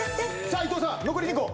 さあ伊藤さん残り２個。